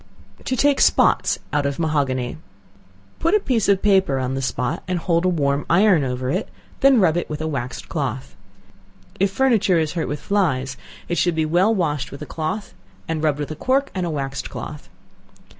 To Take Spots out of Mahogany. Put a piece of paper on the spot, and hold a warm iron over it, then rub it with a waxed cloth. If furniture is hurt with flies, it should be well washed with a cloth, and rubbed with a cork and a waxed cloth.